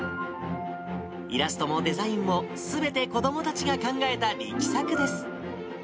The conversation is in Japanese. イラストもデザインも、すべて子どもたちが考えた力作です。